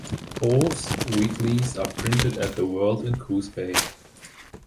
Both weeklies are printed at "The World" in Coos Bay.